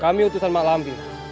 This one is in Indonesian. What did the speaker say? kami utusan mak lampir